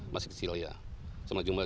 masih kecil ya